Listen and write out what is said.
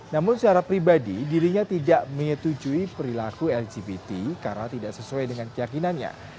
namun secara pribadi dirinya tidak menyetujui perilaku lgbt karena tidak sesuai dengan keyakinannya